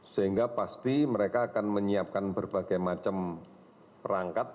sehingga pasti mereka akan menyiapkan berbagai macam perangkat